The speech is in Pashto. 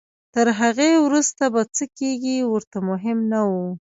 تر هغې وروسته به څه کېږي ورته مهم نه وو.